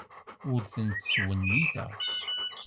Ur ten-ttwenniteɣ.